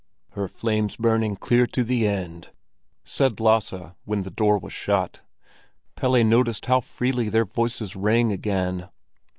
"Her flame's burning clear to the end!" said Lasse, when the door was shut. Pelle noticed how freely their voices rang again.